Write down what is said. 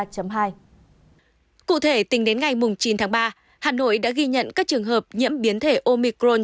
cụ thể tính đến ngày chín tháng ba hà nội đã ghi nhận các trường hợp nhiễm biến thể omicron